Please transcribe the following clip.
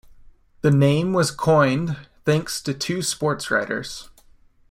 The name was coined thanks to two sportswriters.